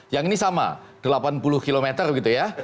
yang ini sama delapan puluh km gitu ya